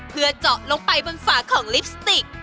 เพื่อเจาะลงไปบนฝาของลิปสติก